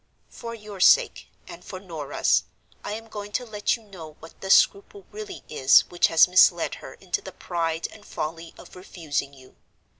For your sake, and for Norah's, I am going to let you know what the scruple really is which has misled her into the pride and folly of refusing you.